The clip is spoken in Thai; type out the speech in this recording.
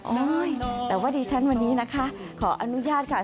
โอ้ยแต่วันดีฉันวันนี้นะคะเขาอนุญาตค่ะ